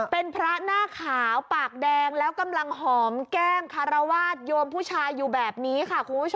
เป็นพระหน้าขาวปากแดงแล้วกำลังหอมแก้มคารวาสโยมผู้ชายอยู่แบบนี้ค่ะคุณผู้ชม